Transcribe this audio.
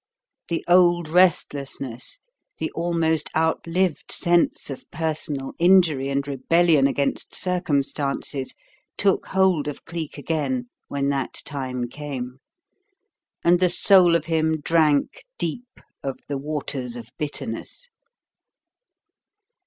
The old restlessness, the almost outlived sense of personal injury and rebellion against circumstances, took hold of Cleek again when that time came; and the soul of him drank deep of the waters of bitterness.